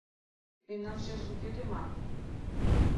Мемнан шержым кӧ тема?